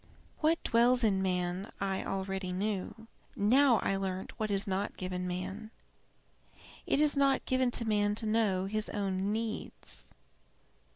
"What dwells in man I already knew. Now I learnt what is not given him. It is not given to man to know his own needs.